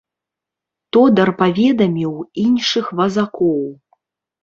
Тодар паведаміў іншых вазакоў.